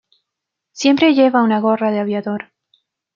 Siempre lleva una gorra de aviador.